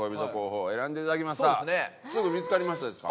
すぐ見付かりましたですか？